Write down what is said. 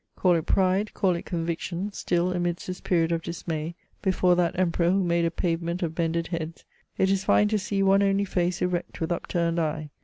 Call it pride, call it conviction, still, amidst this period of dismay, before that Emperor who made a pavement of bended heads, it is fine to see one only face erect with upturned eye.